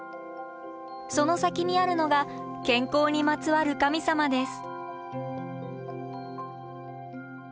その先にあるのが健康にまつわる神様です。